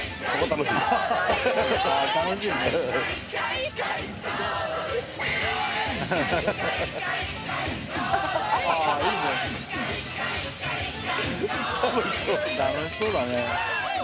楽しそうだね。